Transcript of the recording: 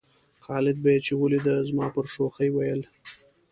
خالد به یې چې ولېده زما پر شوخۍ ویل.